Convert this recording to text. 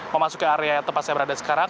memasuki area tempat saya berada sekarang